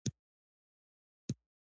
دره نور ښکلې ده؟